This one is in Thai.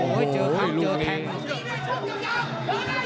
โอ้โหเจอทางเจอแทง